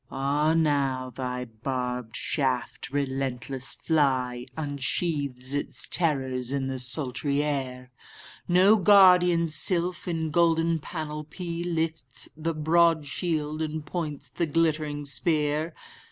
—Ah now thy barbed shaft, relentless fly, Unsheaths its terrors in the sultry air! No guardian sylph, in golden panoply, Lifts the broad shield, and points the glittering spear.